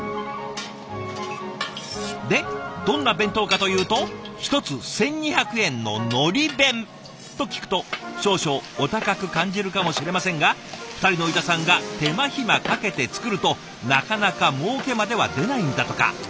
でどんな弁当かというと一つ１，２００円の「のり弁」。と聞くと少々お高く感じるかもしれませんが二人の板さんが手間暇かけて作るとなかなかもうけまでは出ないんだとか。